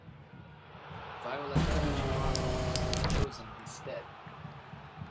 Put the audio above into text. Violeta Chamorro was chosen instead.